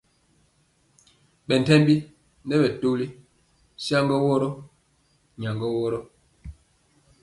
Bɛ ntembi nɛ bɛtɔli saŋgɔ woro, nyagɔ woro.